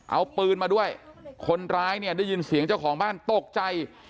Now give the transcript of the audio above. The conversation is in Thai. เอาปืนมาด้วยคนร้ายเนี่ยได้ยินเสียงเจ้าของบ้านตกใจ